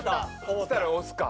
そしたら押すか。